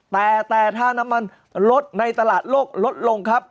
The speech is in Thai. แต่แต่ถ้าน้ำมันลดในตลาดโลกลดลงครับ